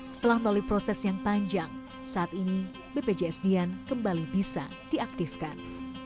setelah melalui proses yang panjang saat ini bpjs dian kembali bisa diaktifkan